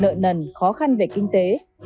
nợ nần khó khăn về kinh tế